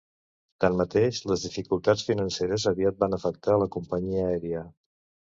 Tanmateix, les dificultats financeres aviat van afectar la companyia aèria.